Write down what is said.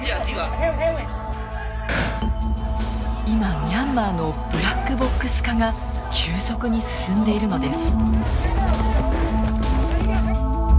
今ミャンマーのブラックボックス化が急速に進んでいるのです。